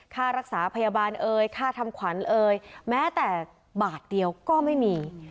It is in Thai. ค่ารักษาพยาบาลเอ่ยค่าทำขวัญเอยแม้แต่บาทเดียวก็ไม่มี